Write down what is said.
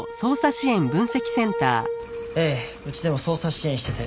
ええうちでも捜査支援してて。